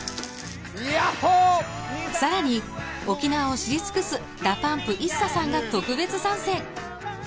さらに沖縄を知り尽くすＤＡＰＵＭＰＩＳＳＡさんが特別参戦。